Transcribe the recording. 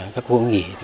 các cô nghỉ